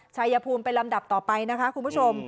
ชายภูมิเป็นลำดับต่อไปนะคะคุณผู้ชม